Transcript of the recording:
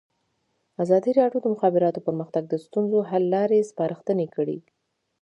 ازادي راډیو د د مخابراتو پرمختګ د ستونزو حل لارې سپارښتنې کړي.